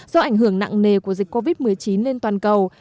do ảnh hưởng nặng nề của dịch covid một mươi chín lên toàn cầu